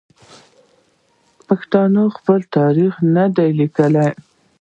پښتنو خپل تاریخ نه دی لیکلی.